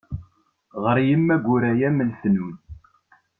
Ɣur yemma Guraya m lefnun.